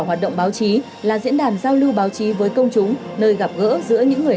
hoạt động báo chí là diễn đàn giao lưu báo chí với công chúng nơi gặp gỡ giữa những người